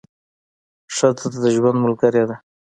ښځه د ژوند ملګرې ده.